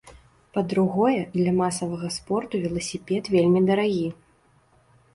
Па-другое, для масавага спорту веласіпед вельмі дарагі.